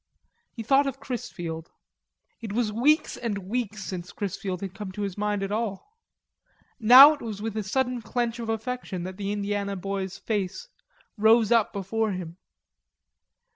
He thought of Chrisfield. It was weeks and weeks since Chrisfield had come to his mind at all. Now it was with a sudden clench of affection that the Indiana boy's face rose up before him.